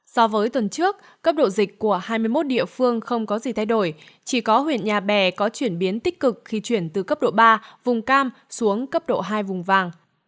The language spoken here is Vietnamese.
dịch của hai mươi một địa phương không có gì thay đổi chỉ có huyện nhà bè có chuyển biến tích cực khi chuyển từ cấp độ ba vùng cam xuống cấp độ hai vùng vàng